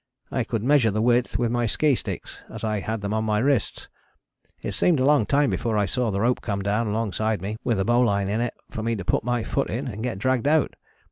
I could measure the width with my ski sticks, as I had them on my wrists. It seemed a long time before I saw the rope come down alongside me with a bowline in it for me to put my foot in and get dragged out.